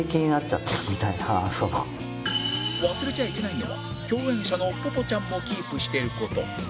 忘れちゃいけないのは共演者のぽぽちゃんもキープしている事